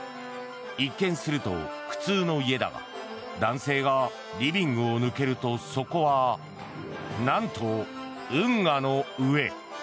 一見すると普通の家だが男性がリビングを抜けるとそこはなんと、運河の上。